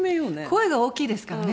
声が大きいですからね